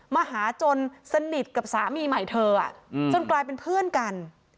มาหาจนสนิทกับสามีใหม่เธอจนกลายเป็นเพื่อนกัน